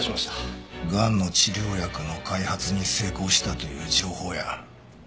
がんの治療薬の開発に成功したという情報や。